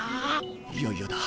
いよいよだ。